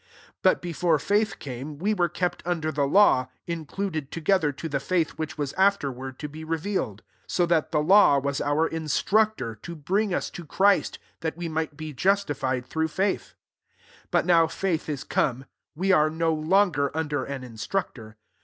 23 Butbe Ibre faith came, we were kept Under the law, included to gether to the faith which was tfterward to be revealed. 24 So diat the law was our instructor to bring us to Christ, that we might be justified through faith. 25 Bat now faith is come, we are Mo longer under an instructor.